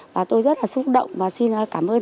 và tôi rất là xúc động và xin cảm ơn